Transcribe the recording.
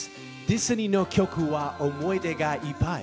ディズニーの曲は思い出がいっぱい。